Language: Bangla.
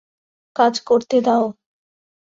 কাজ করতে দাও।